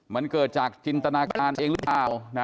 มันเกิดจากจินตนาการเองหรือเปล่า